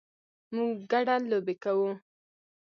موږ ګډه لوبې کوو